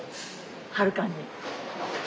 はるかに。